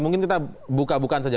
mungkin kita buka bukaan saja